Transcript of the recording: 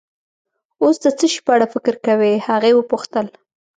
اوس د څه شي په اړه فکر کوې؟ هغې وپوښتل.